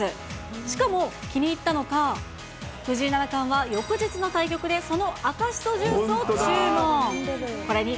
しかも気に入ったのか、藤井七冠は翌日の対局でその赤しそジュースを注文。